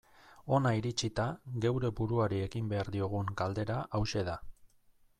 Hona iritsita, geure buruari egin behar diogun galdera hauxe da.